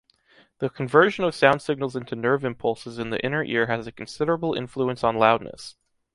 The conversion of sound signals into nerve impulses in the inner ear has a considerable influence on loudness.